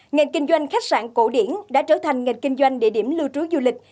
ngành kinh doanh khách sạn cổ điển đã trở thành ngành kinh doanh địa điểm lưu trú du lịch